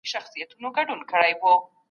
څه شی نړیواله مرسته له لوی ګواښ سره مخ کوي؟